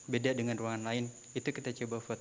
beda dengan ruangan lain itu kita coba foto pojoknya